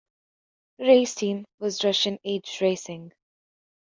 Race team was Russian Age Racing.